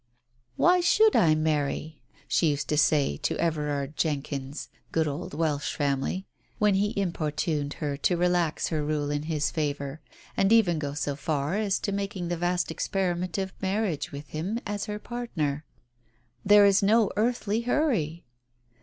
" Why should I marry ?" she used to say to E verard Jenkyns (good old Welsh family), when he importuned her to relax her rule in his favour, and even go so far as making the vast experiment of marriage with him as her partner. "There is no earthly hurry."